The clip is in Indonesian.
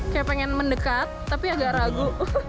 kayak pengen mendekat tapi agak ragu